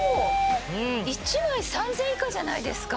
１枚３０００円以下じゃないですか